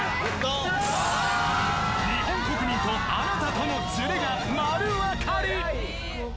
日本国民とあなたとのズレが丸わかり！